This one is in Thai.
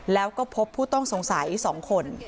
แล้วก็พบผู้ต้องสงสัย๒คน